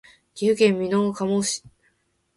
岐阜県美濃加茂市